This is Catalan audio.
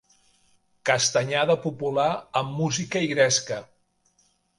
Castanyada popular amb música i gresca.